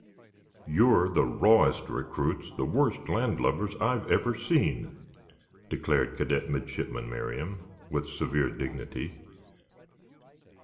"You're the rawest recruits, the worst landlubbers I've ever seen," declared Cadet Midshipman Merriam, with severe dignity.